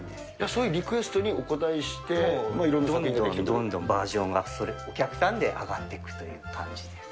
そういうリクエストにお応えどんどんどんどんバージョンアップ、お客さんで上がっていくという感じです。